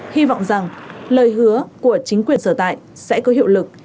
hy vọng rằng lời hứa của chính quyền sở tại sẽ có hiệu lực